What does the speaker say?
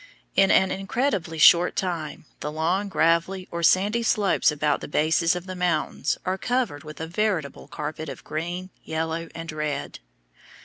In an incredibly short time the long gravelly or sandy slopes about the bases of the mountains are covered with a veritable carpet of green, yellow, and red.